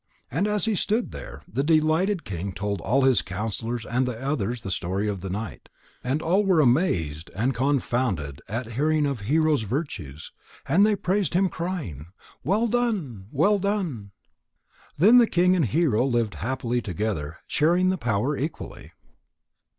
And as he stood there, the delighted king told all his counsellors and the others the story of the night. And all were amazed and confounded at hearing of Hero's virtues, and they praised him, crying: "Well done! Well done!" Then the king and Hero lived happily together, sharing the power equally.